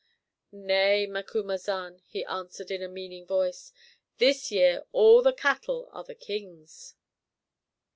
"Nay, Macumazahn," he answered, in a meaning voice. "This year all the cattle are the king's."